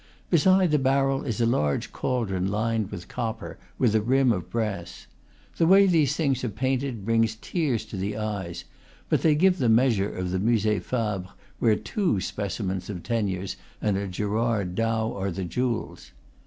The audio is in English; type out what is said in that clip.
Beside the barrel is a large caldron lined with copper, with a rim of brass. The way these things are painted brings tears to the eyes; but they give the measure of the Musee Fabre, where two specimens of Teniers and a Gerard Dow are the jewels.